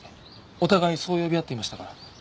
お互いそう呼び合っていましたから。